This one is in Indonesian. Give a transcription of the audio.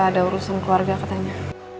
ada urusan keluarga katanya